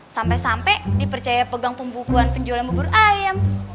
sampai sampai dipercaya pegang pembukuan penjualan bubur ayam